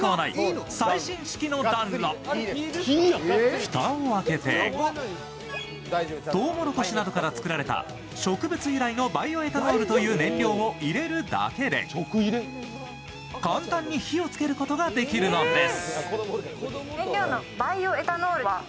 蓋を開けて、トウモロコシなどから作られた植物由来のバイオエタノールという燃料を入れるだけで簡単に火を付けることができるのです。